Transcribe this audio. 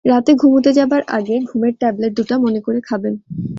রাতে ঘুমুতে যাবার আগে ঘুমের ট্যাবলেট দুটা মনে করে খাবেন।